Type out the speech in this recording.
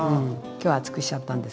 今日は厚くしちゃったんですけど。